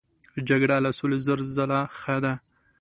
جګړه له سولې زر ځله ښه ده.